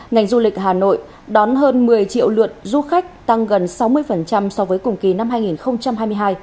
ngành du lịch hà nội đón hơn một mươi triệu lượt du khách tăng gần sáu mươi so với cùng kỳ năm hai nghìn hai mươi hai